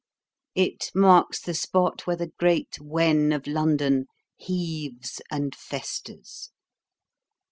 It marks the spot where the great wen of London heaves and festers.